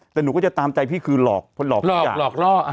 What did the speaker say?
แต่หนูก็จะตามใจพี่คือหลอกคนหลอกล่อหลอกล่อ